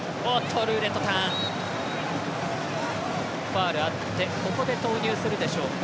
ファウルあってここで投入するでしょうか。